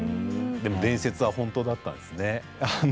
でも伝説は本当だったんですね。